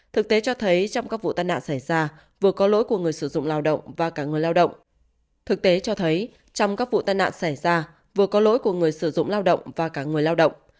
thực tế cho thấy trong các vụ tai nạn xảy ra vừa có lỗi của người sử dụng lao động và cả người lao động